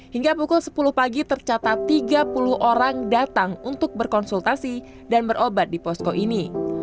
hingga pukul sepuluh pagi tercatat tiga puluh orang datang untuk berkonsultasi dan berobat di posko ini